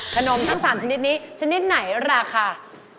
ทั้ง๓ชนิดนี้ชนิดไหนราคา